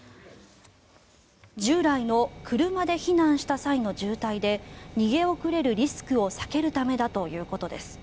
従来の車で避難した際の渋滞で逃げ遅れるリスクを避けるためだということです。